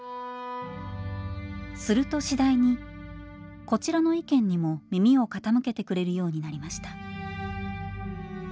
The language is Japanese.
すると次第にこちらの意見にも耳を傾けてくれるようになりました。